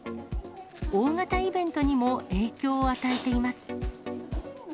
大型イベントにも影響を与えています。